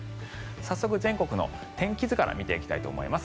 早速、全国の天気図から見ていきたいと思います。